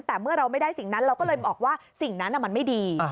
แต่เมื่อเราไม่ได้สิ่งนั้นเราก็เลยบอกว่าสิ่งนั้นมันไม่ดี